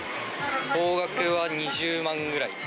総額は２０万ぐらい。